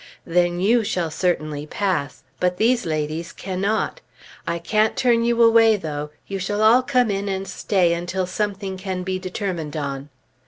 "Then you shall certainly pass; but these ladies cannot. I can't turn you away, though; you shall all come in and stay until something can be determined on."